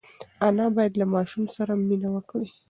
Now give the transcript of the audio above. انا باید له ماشوم سره مینه وکړي.